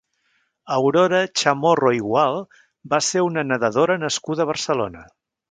Aurora Chamorro i Gual va ser una nedadora nascuda a Barcelona.